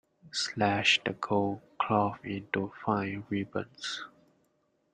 Slash the gold cloth into fine ribbons.